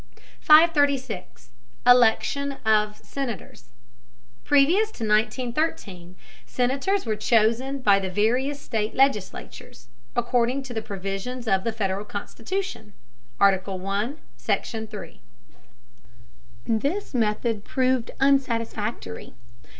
536. THE ELECTION OF SENATORS. Previous to 1913 Senators were chosen by the various state legislatures, according to the provisions of the Federal Constitution. [Footnote: Article I, Section III.] This method proved unsatisfactory.